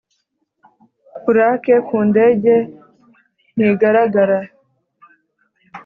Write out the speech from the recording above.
Pulake ku ndege ntigaragara.